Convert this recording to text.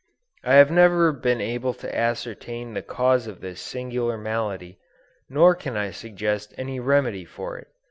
I have never been able to ascertain the cause of this singular malady, nor can I suggest any remedy for it.